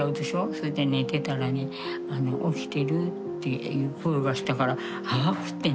それで寝てたらね「起きてる？」っていう声がしたから泡食ってね。